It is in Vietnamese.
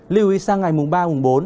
lưu ý sang ngày mùng ba mùng bốn